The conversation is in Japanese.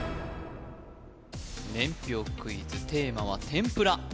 年表クイズテーマは天ぷら